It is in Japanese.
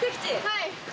はい！